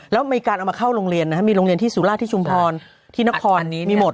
แล้วมีการเอามาเข้าโรงเรียนนะครับมีโรงเรียนที่สุราชที่ชุมพรที่นครนี้มีหมด